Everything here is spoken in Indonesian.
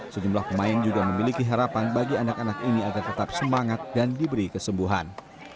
sejumlah pemain juga memiliki harapan bagi anak anak ini agar tetap semangat dan diberi kesembuhan